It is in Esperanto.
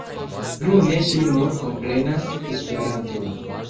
Nune ŝi nur komprenas Esperanton.